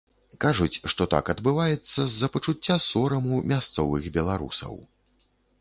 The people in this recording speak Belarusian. Кажуць, што так адбываецца з-за пачуцця сораму мясцовых беларусаў.